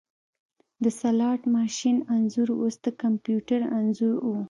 د سلاټ ماشین انځور اوس د کمپیوټر انځور و